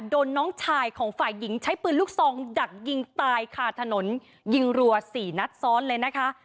น้องชายของฝ่ายหญิงใช้ปืนลูกซองดักยิงตายคาถนนยิงรัวสี่นัดซ้อนเลยนะคะ